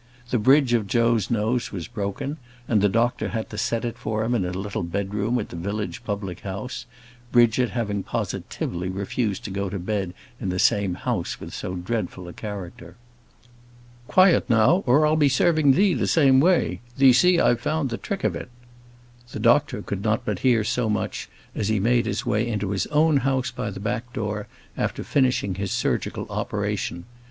The bridge of Joe's nose was broken; and the doctor had to set it for him in a little bedroom at the village public house, Bridget having positively refused to go to bed in the same house with so dreadful a character. "Quiet now, or I'll be serving thee the same way; thee see I've found the trick of it." The doctor could not but hear so much as he made his way into his own house by the back door, after finishing his surgical operation.